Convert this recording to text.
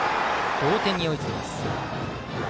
同点に追いつきます。